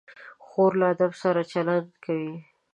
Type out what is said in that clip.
خور له ادب سره چلند کوي.